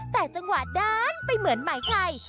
แต่จังหวะด้านไปเหมือนหมายใคร